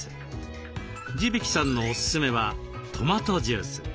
地曳さんのオススメはトマトジュース。